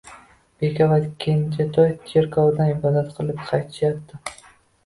Beka va kenjatoy cherkovdan ibodat qilib qaytishyapti